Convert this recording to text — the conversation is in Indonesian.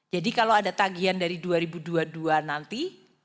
kalau ada tagian dari dua ribu dua puluh dua nanti